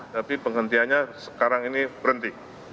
tapi penghentiannya sekarang ini berhenti